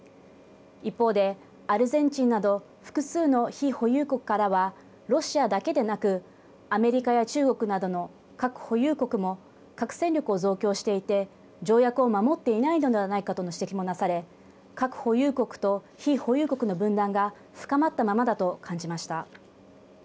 一方で、アルゼンチンなど複数の非保有国からはロシアだけでなくアメリカや中国などの核保有国も核戦力を増強していて条約を守っていないのではないかという指摘もなされ核保有国と非保有国の分断が深まったままだと感じました。